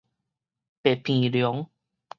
白鼻龍